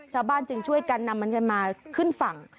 ชาวบ้านจึงช่วยกันนำมันกันมาขึ้นฝั่ง